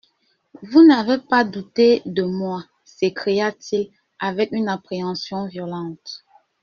—Vous n’avez pas douté de moi ?» s’écria-t-il avec une appréhension violente.